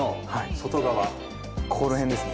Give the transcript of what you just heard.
ここら辺ですね。